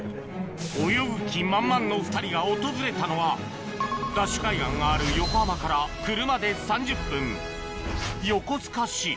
泳ぐ気満々の２人が訪れたのはＤＡＳＨ海岸がある横浜から横須賀市